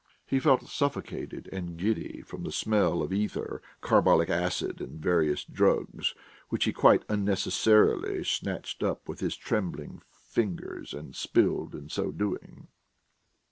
He felt suffocated and giddy from the smell of ether, carbolic acid, and various drugs, which he quite unnecessarily snatched up with his trembling fingers and spilled in so doing.